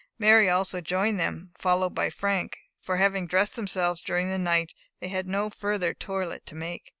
Mary also joined them, followed by Frank; for having dressed themselves during the night, they had no further toilet to make.